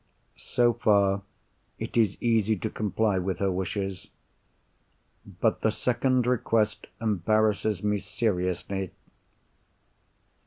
So far, it is easy to comply with her wishes. But the second request embarrasses me seriously.